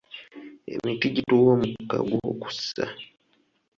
Emiti gituwa omukka gw'okussa.